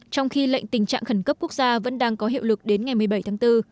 trong khi lệnh tình trạng khẩn cấp quốc gia vẫn đang có hiệu lực đến ngày một mươi bảy tháng bốn